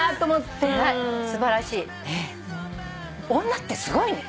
女ってすごいね。